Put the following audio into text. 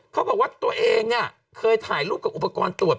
เขาบอกว่าตัวเองเนี่ยเคยถ่ายรูปกับอุปกรณ์ตรวจ